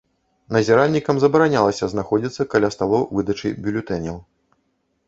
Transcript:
Назіральнікам забаранялася знаходзіцца каля сталоў выдачы бюлетэняў.